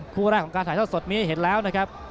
คู่แรกของการถ่ายทอดสดนี้เห็นแล้วนะครับ